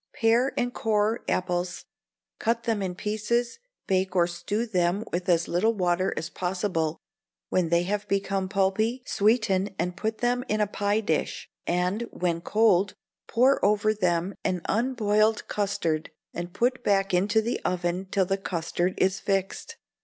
Pare and core apples; cut them in pieces; bake or stew them with as little water as possible; when they have become pulpy, sweeten and put them in a pie dish, and, when cold, pour over them an unboiled custard, and put back into the oven till the custard is fixed.